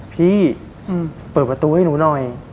พี่เปิดประตูให้หนูหน่อย